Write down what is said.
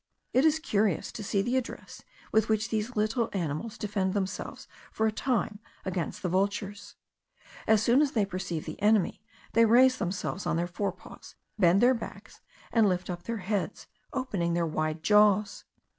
It is curious to see the address with which these little animals defend themselves for a time against the vultures. As soon as they perceive the enemy, they raise themselves on their fore paws, bend their backs, and lift up their heads, opening their wide jaws.